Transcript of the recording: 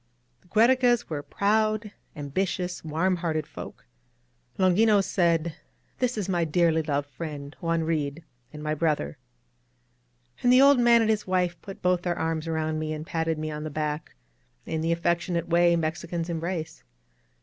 The Giierecas were proud, ambitious, warm hearted folk. Longinos said : ^^This is my dearly loved friend, Juan Reed, and my brother." And the old man and his wife put both their arms around me and patted me on the back, in the affectionate way Mexicans em brace.